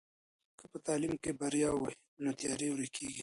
که په تعلیم کې بریا وي نو تیارې ورکېږي.